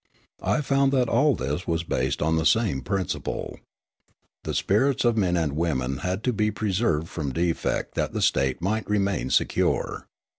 I found that all this was based on the same principle. The spirits of men and women had to be preserved from defect that the state might remain secure.